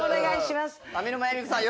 上沼恵美子さん